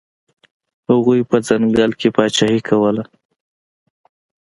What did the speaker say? هغوی په ځنګل کې پاچاهي کوله.